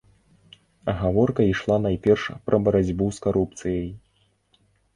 Гаворка ішла найперш пра барацьбу з карупцыяй.